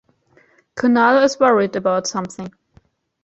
Kunal is worried about something.